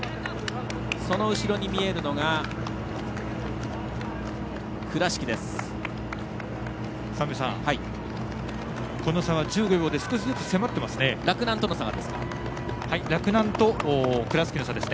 その後ろに見えるのが倉敷です。